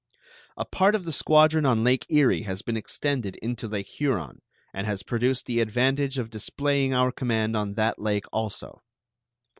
A part of the squadron on Lake Erie has been extended into Lake Huron, and has produced the advantage of displaying our command on that lake also.